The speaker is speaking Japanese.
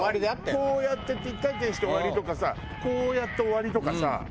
こうやって１回転して終わりとかさこうやって終わりとかさ。